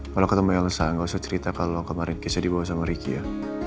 kalo ketemu elsa gak usah cerita kalo kemarin kisah dibawa sama riki ya